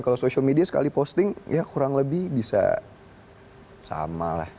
kalau social media sekali posting ya kurang lebih bisa sama lah